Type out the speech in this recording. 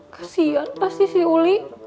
kasian pasti si uli